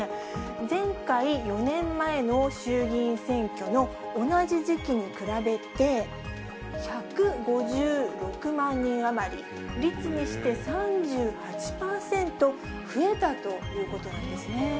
前回・４年前の衆議院選挙の同じ時期に比べて、１５６万人余り、率にして３８％増えたということなんですね。